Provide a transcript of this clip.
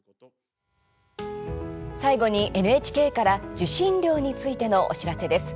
最後にＮＨＫから受信料についてのお知らせです。